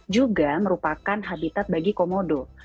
juga merupakan habitat bagi komodo